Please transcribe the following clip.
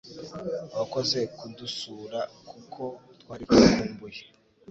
Uwakoze kudusura kuko twari tugukumbuye